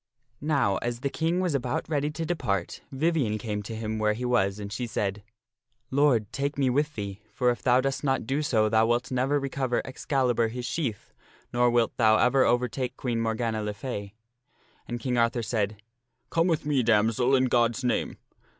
Now, as the King was about ready to depart, Vivien came to him where he was, and she said, " Lord, take me with thee, for if thou dost not do so thou wilt never recover Excalibur his sheath, nor wilt thou ever overtake Queen Morgana le Fay." And King Arthur said, " Come with me, damsel, in God's name."